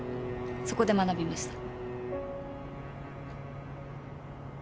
そこで学びました。